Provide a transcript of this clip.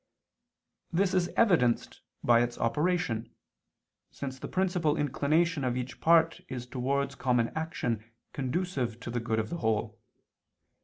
This is evidenced by its operation, since the principal inclination of each part is towards common action conducive to the good of the whole.